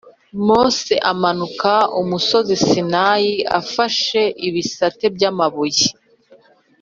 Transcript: Mose amanuka umusozi Sinayi afashe ibisate by’amabuye